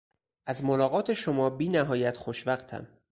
از ملاقات شما بینهایت خوشوقتم.